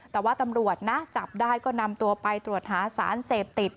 แต่ว่าตำรวจนะจับได้ก็นำตัวไปตรวจหาสารเสพติด